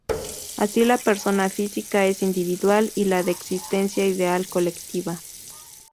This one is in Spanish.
Así la persona física es individual y la de existencia ideal colectiva.